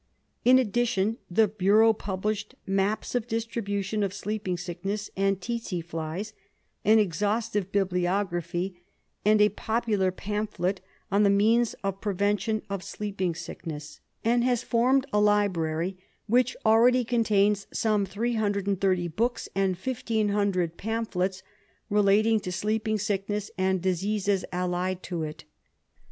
In addition, the bureau published maps of distribution of sleeping sickness and tsetse flies, an exhaustive bibliography, and a popular pamphlet on the means of prevention of sleeping sickness, 52 RESEARCH DEFENCE SOCIETY and has formed a library which already contains some 330 books and 1,500 pamphlets relating to sleeping sickness and diseases allied to it.